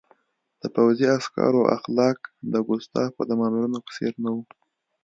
د پوځي عسکرو اخلاق د ګوستاپو د مامورینو په څېر نه وو